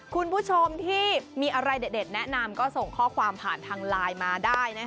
คุณผู้ชมที่มีอะไรเด็ดแนะนำก็ส่งข้อความผ่านทางไลน์มาได้